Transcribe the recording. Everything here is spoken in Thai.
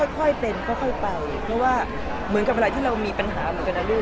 ค่อยเป็นค่อยไปเพราะว่าเหมือนกับอะไรที่เรามีปัญหาเหมือนกันนะลูก